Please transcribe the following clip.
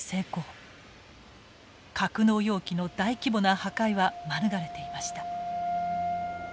格納容器の大規模な破壊は免れていました。